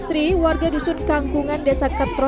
sri warga dusun kangkungan desa ketro